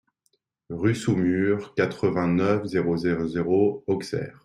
Rue Sous Murs, quatre-vingt-neuf, zéro zéro zéro Auxerre